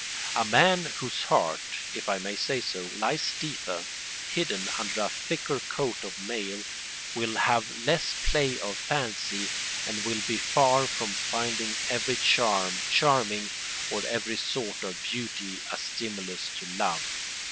A man whose heart, if I may say so, lies deeper, hidden under a thicker coat of mail, will have less play of fancy, and will be far from finding every charm charming, or every sort of beauty a stimulus to love.